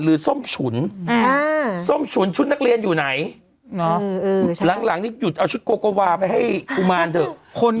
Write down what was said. ส้มฉุนส้มฉุนชุดนักเรียนอยู่ไหนหลังนี่หยุดเอาชุดโกโกวาไปให้กุมารเถอะ